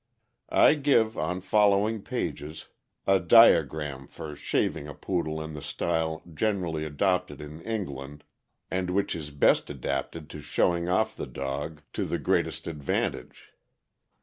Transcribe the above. I give, on following page, a diagram for shaving a Poodle in the style generally adopted in England, and which is best adapted to showing off the dog to the greatest 620 THE AMERICAN BOOK OF THE DOG. advantage.